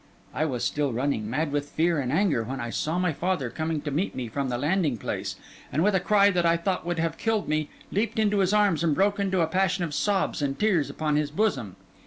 I was still running, mad with fear and anger, when I saw my father coming to meet me from the landing place; and with a cry that I thought would have killed me, leaped into his arms and broke into a passion of sobs and tears upon his bosom.